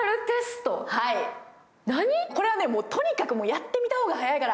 これはとにかく、やってみた方が早いから！